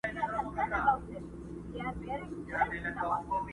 کابل جانه تاته خپل حُسن بلا دی.